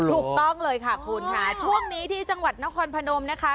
ถูกต้องเลยค่ะคุณค่ะช่วงนี้ที่จังหวัดนครพนมนะคะ